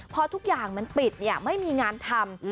พอทุกอย่างมันปิดไม่มีงานทำ